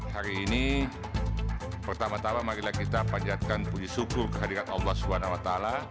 hari ini pertama tama marilah kita panjatkan puji syukur kehadirat allah swt